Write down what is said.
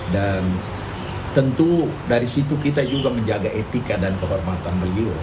dan tentu dari situ kita juga menjaga etika dan kehormatan beliau